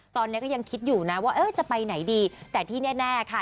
ตอนนี้ก็ยังคิดอยู่นะว่าเออจะไปไหนดีแต่ที่แน่ค่ะ